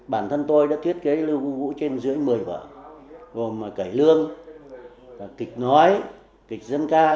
bản thân tôi đã thiết kế lưu quang vũ trên dưới một mươi vở gồm là cảy lương kịch nói kịch dân ca